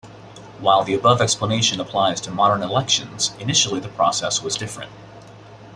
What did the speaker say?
While the above explanation applies to modern elections, initially the process was different.